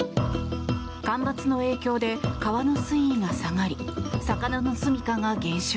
干ばつの影響で川の水位が下がり魚のすみかが減少。